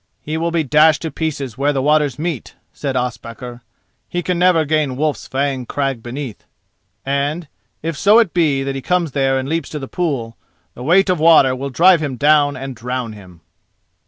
"He will be dashed to pieces where the waters meet," said Ospakar, "he can never gain Wolf's Fang crag beneath; and, if so it be that he come there and leaps to the pool, the weight of water will drive him down and drown him."